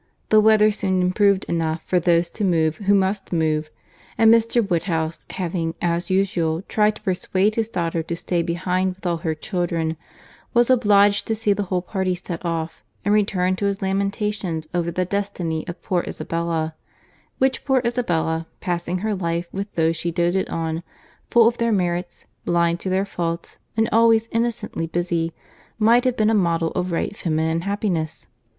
The weather soon improved enough for those to move who must move; and Mr. Woodhouse having, as usual, tried to persuade his daughter to stay behind with all her children, was obliged to see the whole party set off, and return to his lamentations over the destiny of poor Isabella;—which poor Isabella, passing her life with those she doated on, full of their merits, blind to their faults, and always innocently busy, might have been a model of right feminine happiness.